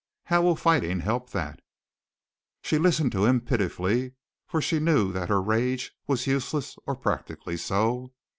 How will fighting help that?" She listened to him pitifully, for she knew that her rage was useless, or practically so.